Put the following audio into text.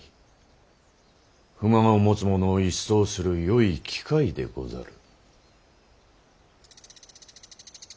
不満を持つ者を一掃するよい機会でござる。